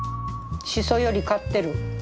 しそより勝ってる。